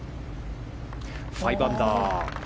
５アンダー。